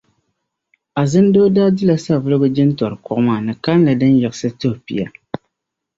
Azindoo daa dila Savulugu jintɔri kuɣa maa ni kalinli din yiɣisi tuh' pia.